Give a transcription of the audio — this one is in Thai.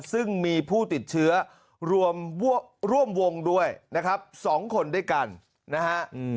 ซึ่งมีผู้ติดเชื้อรวมวงด้วยนะครับ๒คนด้วยกันนะฮะ